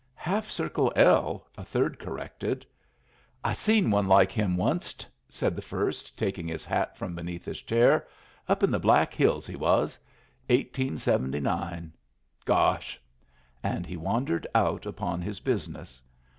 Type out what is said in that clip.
"Half circle L.," a third corrected. "I seen one like him onced," said the first, taking his hat from beneath his chair. "Up in the Black Hills he was. Eighteen seventy nine. Gosh!" And he wandered out upon his business.